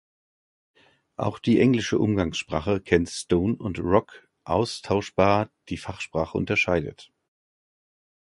Auch die englische Umgangssprache kennt "stone" und "rock" austauschbar, die Fachsprache unterscheidet.